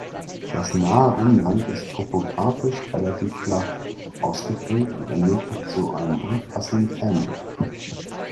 Das nahe Umland ist topographisch relativ flach ausgeprägt und ermöglicht so einen umfassenden Fernblick.